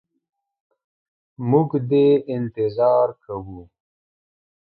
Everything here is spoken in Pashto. موږ دي انتظار کوو.